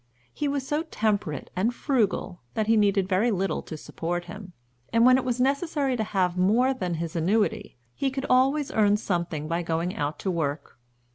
He was so temperate and frugal, that he needed very little to support him; and when it was necessary to have more than his annuity, he could always earn something by going out to work.